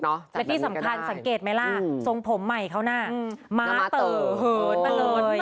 และที่สำคัญสังเกตไหมล่ะทรงผมใหม่เขาน่ะม้าเต๋อเหินมาเลย